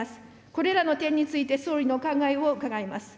これらの点について、総理のお考えを伺います。